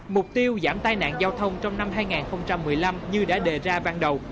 mục tiêu giảm tai nạn giao thông trong năm hai nghìn một mươi năm như đã đề ra ban đầu